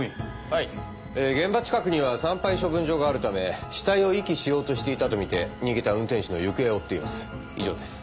はい現場近くには産廃処分場があるため死体を遺棄しようとしていたとみて逃げた運転手の行方を追っています以上です。